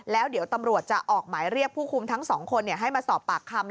แล้วเดี๋ยวตำรวจจะออกหมายเรียกผู้คุมทั้ง๒คนให้มาสอบปากคำ